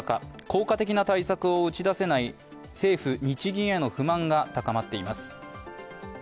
効果的な対策を打ち出せない政府・日銀への不満が高まっています。